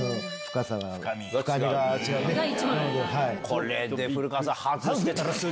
これで古川さん。